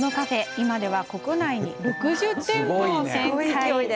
今では国内に６０店舗を展開。